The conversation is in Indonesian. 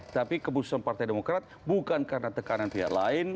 tapi keputusan partai demokrat bukan karena tekanan pihak lain